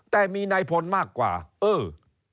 แต่มีนายพลมากกว่าเออ